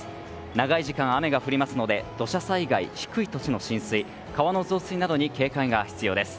長い時間、雨が降りますので土砂災害、低い土地の浸水川の増水などに警戒が必要です。